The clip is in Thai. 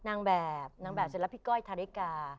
นางแบบนางแบบเสร็จแล้วพี่ก้อยทาริกา